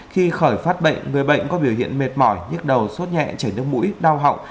khi khởi phát bệnh người bệnh có biểu hiện mệt mỏi nhức đầu suốt nhẹ chảy nước mũi đau họng